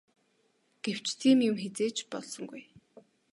Гэвч тийм юм хэзээ ч болсонгүй.